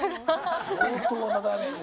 相当なダメージ。